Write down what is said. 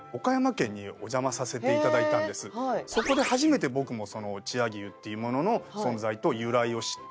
そこで初めて僕も千屋牛っていうものの存在と由来を知って。